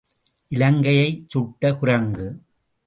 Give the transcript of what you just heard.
இலங்கையைச் சுட்ட குரங்கு.